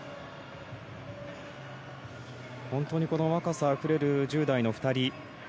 本当に若さあふれる１０代の２人。